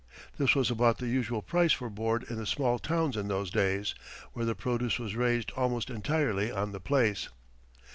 This was about the usual price for board in the small towns in those days, where the produce was raised almost entirely on the place.